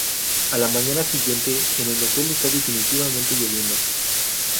A la mañana siguiente, en el hotel está definitivamente lloviendo.